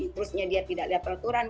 terusnya dia tidak lihat peraturan